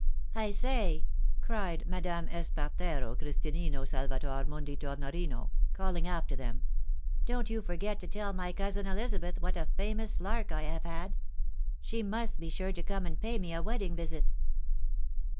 " I say !" cried Madame Espartero Christinino Salvator Mundi Tornoriuo, calling after them, " don't you forget to tell my cousin Elizabeth what a famous lark I have had. She must be sure to come and pay me a wedding visit."